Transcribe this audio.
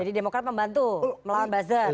jadi demokrat membantu melawan buzzer